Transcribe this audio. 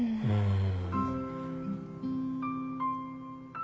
うん？